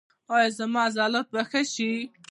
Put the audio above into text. ایا زما عضلات به ښه شي؟